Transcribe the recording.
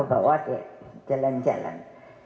bawa dia jalan jalan